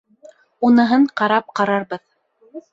Уныһын ҡарап ҡарарбыҙ.